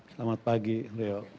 selamat pagi rio